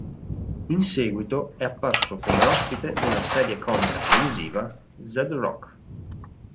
In seguito è apparso come ospite nella serie comica televisiva "Z Rock".